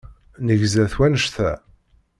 Negza-t wannect-a.